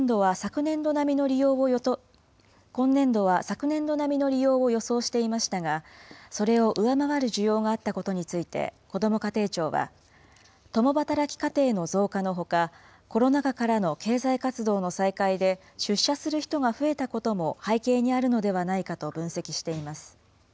今年度は昨年度並みの利用を予想していましたが、それを上回る需要があったことについて、こども家庭庁は、共働き家庭の増加のほか、コロナ禍からの経済活動の再開で、出社する人が増えたことも背景にあるのではないかと分析しています。